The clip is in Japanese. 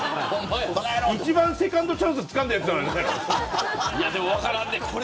一番セカンドチャンスをつかんだのに。